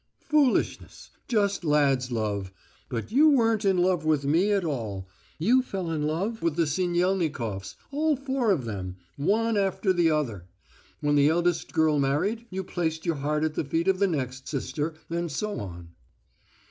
"Foolishness!... Just lad's love.... But you weren't in love with me at all; you fell in love with the Sinyelnikofs, all four of them, one after the other. When the eldest girl married you placed your heart at the feet of the next sister, and so on."